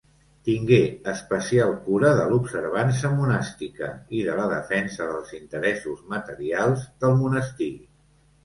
Tingué especial cura de l'observança monàstica i de la defensa dels interessos materials del monestir.